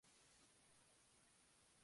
En Israel contaba con un canal de televisión.